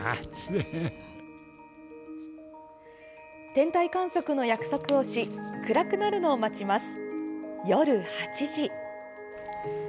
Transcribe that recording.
天体観測の約束をし暗くなるのを待ちます。